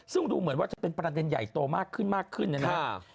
ซึ่งดูเหมือนว่าจะเป็นประเด็นใหญ่โตมากขึ้นมากขึ้นนะครับ